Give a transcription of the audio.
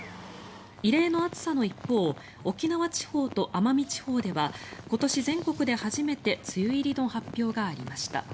異例の暑さの一方沖縄地方と奄美地方では今年、全国で初めて梅雨入りの発表がありました。